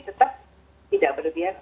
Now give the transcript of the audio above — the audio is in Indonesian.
tetap tidak berlebihan